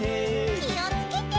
きをつけて。